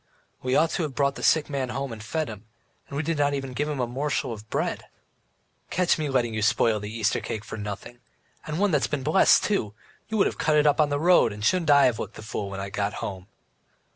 We ought to have brought the sick man home and fed him, and we did not even give him a morsel of bread." "Catch me letting you spoil the Easter cake for nothing! And one that has been blessed too! You would have cut it on the road, and shouldn't I have looked a fool when I got home?"